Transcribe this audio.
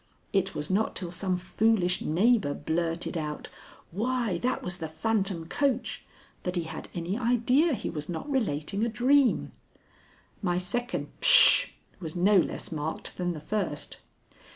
It was not till some foolish neighbor blurted out, 'Why, that was the phantom coach,' that he had any idea he was not relating a dream." My second Pshaw! was no less marked than the first.